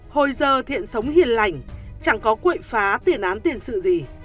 hồi giờ thiện sống hiền lành chẳng có quậy phá tiền án tiền sự gì